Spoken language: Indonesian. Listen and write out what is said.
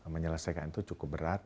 menyelesaikan itu cukup berat